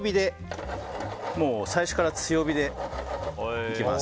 最初から強火でいきます。